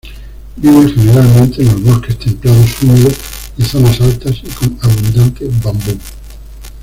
Vive generalmente en los bosques templados húmedos de zonas altas y con abundante bambú.